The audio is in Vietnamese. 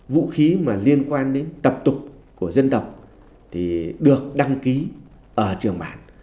vũ khí mà liên quan đến tập tục của dân tộc thì được đăng ký ở trường bản